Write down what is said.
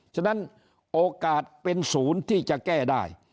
ฉะนั้นโอกาสเป็นศูนย์ที่จะแก้ได้